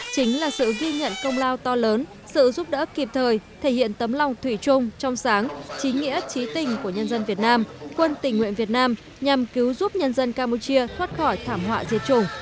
chính là sự ghi nhận công lao to lớn sự giúp đỡ kịp thời thể hiện tấm lòng thủy trung trong sáng trí nghĩa trí tình của nhân dân việt nam quân tình nguyện việt nam nhằm cứu giúp nhân dân campuchia thoát khỏi thảm họa diệt chủng